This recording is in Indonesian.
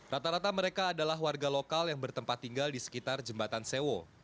rata rata mereka adalah warga lokal yang bertempat tinggal di sekitar jembatan sewo